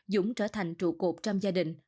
dũng trở thành trụ cột trong gia đình